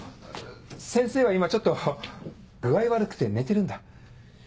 先生は今ちょっと具合悪くて寝てるんだ。